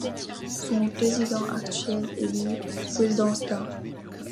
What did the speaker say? Son président actuel est Guy Wildenstein.